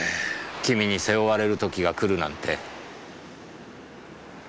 君に背負われるときが来るなんて。